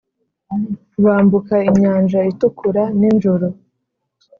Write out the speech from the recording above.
bambuka inyanja itukura ninjoro